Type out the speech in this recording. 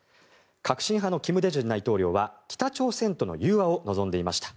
革新派の金大中大統領は北朝鮮との融和を望んでいました。